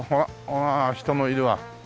わあ人もいるわ。